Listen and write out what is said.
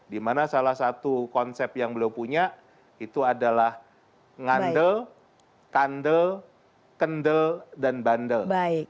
dimana salah satu konsep yang beliau punya itu adalah ngandel kandel kendel dan bandel